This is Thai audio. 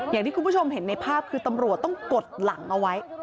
อย่างที่คุณผู้ชมเห็นในภาพคือตำรวจต้องกดหลังเอาไว้